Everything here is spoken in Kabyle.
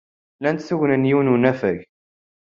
Lant tugna n yiwen n unafag.